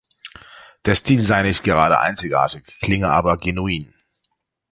Der Stil sei nicht gerade einzigartig, klinge aber genuin.